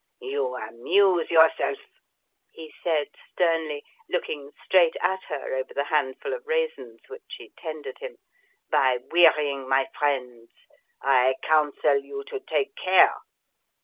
"You amuse yourself," he said sternly, looking straight at her over the handful of raisins which she tendered him, "by wearying my friends. I counsel you to take care.